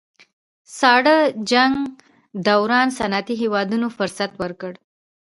ساړه جنګ دوران صنعتي هېوادونو فرصت ورکړ